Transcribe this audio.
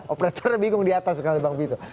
operator bingung di atas kalau bang vito